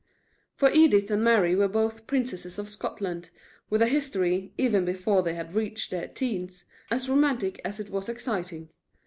For Edith and Mary were both princesses of Scotland, with a history, even before they had reached their teens, as romantic as it was exciting.